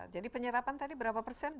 jadi penyerapan tadi berapa persen